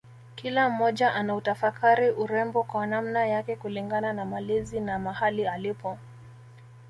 Kila mmoja anautafakari urembo kwa namna yake kulingana na malezi na mahali alipo